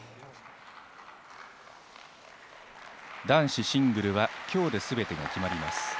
男子シングルは今日ですべてが決まります。